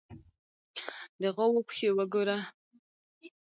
_د غواوو پښې وګوره!